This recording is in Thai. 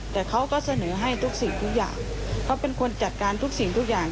แต่เขาก็เสนอให้ทุกสิ่งทุกอย่างเขาเป็นคนจัดการทุกสิ่งทุกอย่าง